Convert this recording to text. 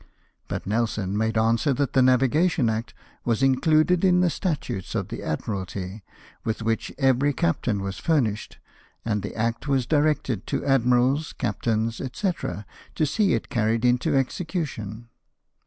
But Nelson made answer that the Navigation Act was included in the statutes of the Admiralty, with which every captain was furnished, and that Act was directed to admirals, captains, &c., to see it carried into execu tion.